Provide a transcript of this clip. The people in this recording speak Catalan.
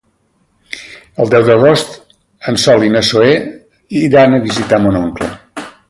El deu d'agost en Sol i na Zoè iran a visitar mon oncle.